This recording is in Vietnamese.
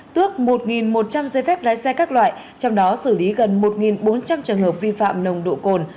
tước một một trăm linh giấy phép lái xe các loại trong đó xử lý gần một bốn trăm linh trường hợp vi phạm nồng độ cồn